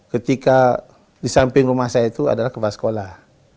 ketika di samping rumah saya itu adalah kepala sekolah